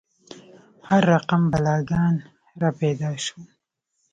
هر رقم بلاګان را پیدا شول.